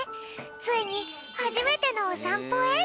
ついにはじめてのおさんぽへ。